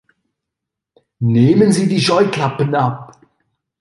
Nehmen Sie die Scheuklappen ab!